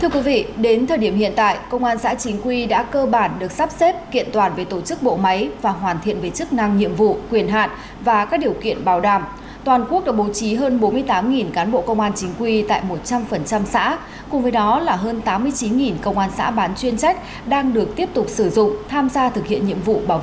các bạn hãy đăng ký kênh để ủng hộ kênh của chúng mình nhé